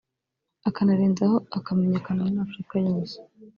akanarenzaho akamenyekana muri Afurika yose